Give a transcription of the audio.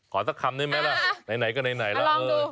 ขอสักคำนึกไหมล่ะไหนกันไหนละ